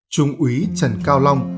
trung úy trần cao long